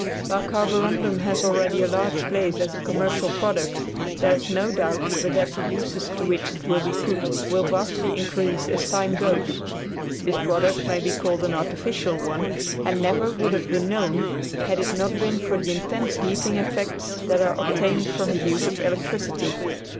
While carborundum has already a large place as a commercial product, there is no doubt but that the uses to which it will be put will vastly increase as time goes on. This product may be called an artificial one, and never would have been known had it not been for the intense heating effects that are obtained from the use of electricity.